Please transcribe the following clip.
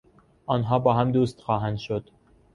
آنها با هم دوست خواهند شد.